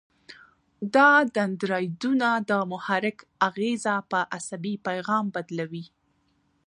دا دندرایدونه د محرک اغیزه په عصبي پیغام بدلوي.